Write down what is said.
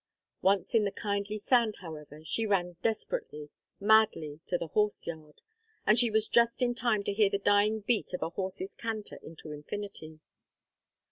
Once in the kindly sand, however, she ran desperately, madly, to the horse yard. And she was just in time to hear the dying beat of a horse's canter into infinity.